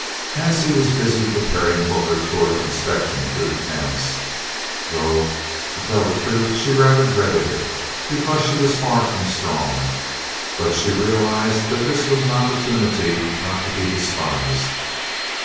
Hansie was busy preparing for her tour of inspection through the Camps, though to tell the truth she rather dreaded it, because she was far from strong, but she realised that this was an opportunity not to be despised.